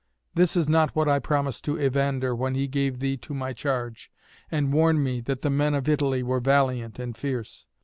This is not what I promised to Evander when he gave thee to my charge, and warned me that the men of Italy were valiant and fierce.